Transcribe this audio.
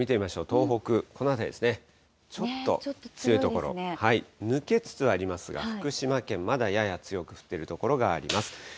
東北、この辺りですね、ちょっと強い所、抜けつつありますが、福島県、まだやや強く降っている所があります。